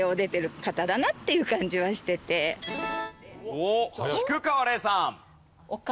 おっ菊川怜さん。